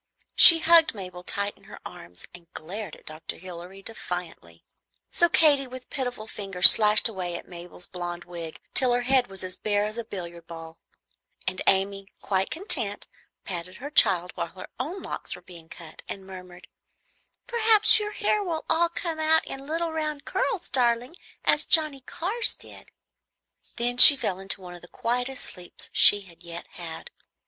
She hugged Mabel tight in her arms, and glared at Dr. Hilary defiantly. So Katy with pitiful fingers slashed away at Mabel's blond wig till her head was as bare as a billiard ball; and Amy, quite content, patted her child while her own locks were being cut, and murmured, "Perhaps your hair will all come out in little round curls, darling, as Johnnie Carr's did;" then she fell into one of the quietest sleeps she had yet had.